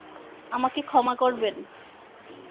আমাকে ক্ষমা করবেন!